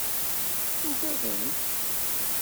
Uggaden-k.